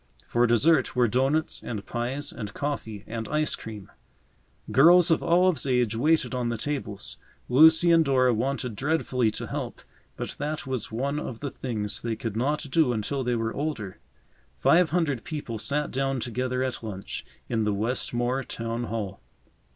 For dessert were doughnuts and pies and coffee and ice cream. Girls of Olive's age waited on the tables. Lucy and Dora wanted dreadfully to help, but that was one of the things they could not do until they were older. Five hundred people sat down together at lunch in the Westmore Town Hall.